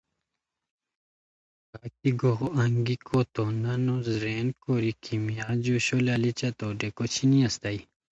کاکی تو گوغو انگیکو تو نانو زرین کوری کیمیا جوشو لالچہ تو ڈیکو چھینی استائے